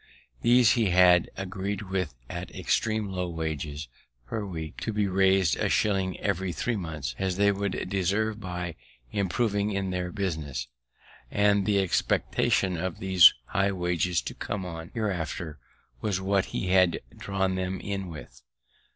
These he had agreed with at extream low wages per week to be rais'd a shilling every three months, as they would deserve by improving in their business; and the expectation of these high wages, to come on hereafter, was what he had drawn them in with.